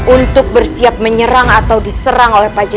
untuk bersiap menyerang atau diserang oleh pajak